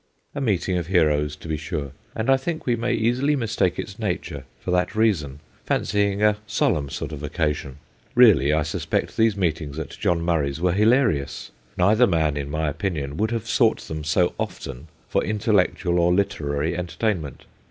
A meeting of heroes, to be sure, and I think we may easily mistake its nature for that reason, fancying a solemn sort of occasion. Really, I suspect these meetings at John Murray's were hilarious : neither man, in my opinion, would have sought them so often for intellectual or literary entertainment.